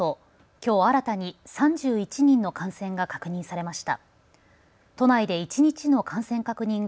きょう新たに３１人の感染が確認されました。